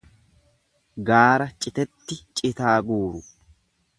Gaara citetti citaa guuru.